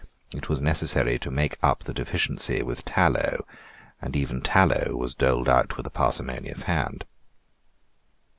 It was necessary to make up the deficiency with tallow; and even tallow was doled out with a parsimonious hand.